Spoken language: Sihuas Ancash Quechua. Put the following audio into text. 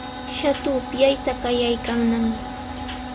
Shatu upyayta qallaykannami.